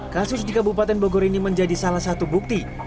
kasus di kabupaten bogor ini menjadi salah satu bukti